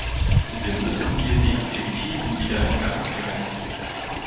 Wir müssen hier die Aktivitäten wieder in Gang bringen.